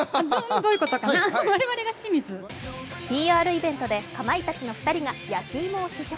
ＰＲイベントでかまいたちの２人が焼き芋を試食。